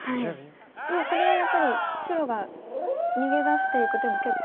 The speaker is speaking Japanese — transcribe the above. もうこれはやっぱり白が逃げ出していく手も結構狙いでは。